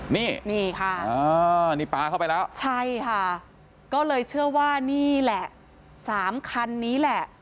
นี่นี่ค่ะนี่ปลาเข้าไปแล้วใช่ค่ะก็เลยเชื่อว่านี่แหละสามคันนี้แหละ